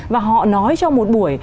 và họ nói cho một buổi